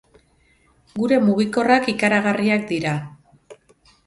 Gure mugikorrak ikaragarriak dira.